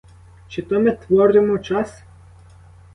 Чи то ми творимо час?